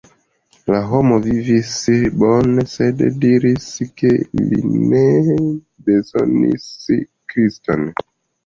La homo vivis bone, sed diris ke li ne bezonis Kriston.